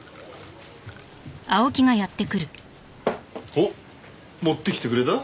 おっ持ってきてくれた？